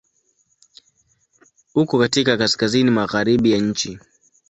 Uko katika Kaskazini magharibi ya nchi.